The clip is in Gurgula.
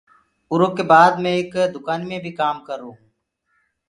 اُرو ڪي بآد مي ايڪ دُڪآنيٚ مي ڀيٚ ڪآم ڪررو هونٚ۔